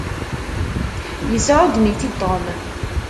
Yesεuggen-itt-id Tom.